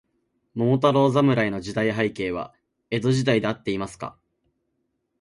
桃太郎侍の時代背景は、江戸時代であっていますか。